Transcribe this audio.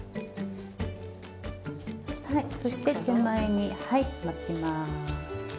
そして手前に巻きます。